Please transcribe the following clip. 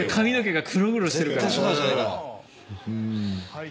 はい。